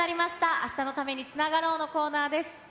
明日のために、今日つながろう。のコーナーです。